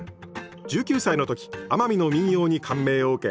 １９歳の時奄美の民謡に感銘を受け